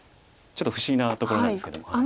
ちょっと不思議なところなんですけども。